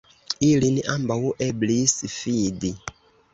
Ilin ambaŭ eblis fidi.